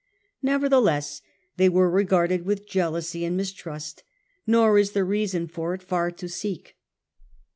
Nevertheless they were regarded with jealousy and mis trust; nor is the reason far to seek.